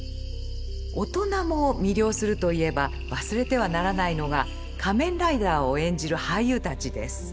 大人も魅了するといえば忘れてはならないのが仮面ライダーを演じる俳優たちです。